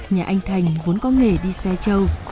nhà anh thành vốn có nghề đi xe trâu